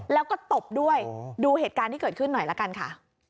แล้วก็ตบด้วยดูเหตุการณ์ที่เกิดขึ้นหน่อยละกันค่ะ